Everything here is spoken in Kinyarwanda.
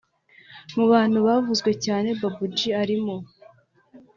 Mu bantu bavuzwe cyane Babou G arimo